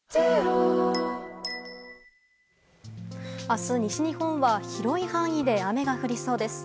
明日、西日本は広い範囲で雨が降りそうです。